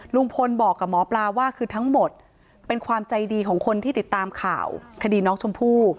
ลุงพลบอกกับหมอปลาว่าคือทั้งหมดเป็นความใจดีของคนที่ติดตามข่าวคดีน้องชมพู่